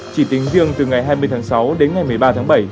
chỉ tính riêng từ ngày hai mươi tháng sáu đến ngày một mươi ba tháng bảy